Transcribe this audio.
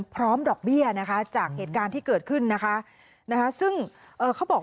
พร้อมดอกเบี้ยนะคะจากเหตุการณ์ที่เกิดขึ้นนะคะซึ่งเอ่อเขาบอก